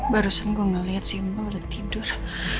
barusan gue ngeliat si mo udah tidur